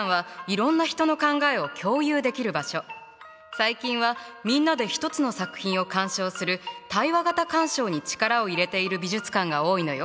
最近はみんなで一つの作品を鑑賞する「対話型鑑賞」に力を入れている美術館が多いのよ。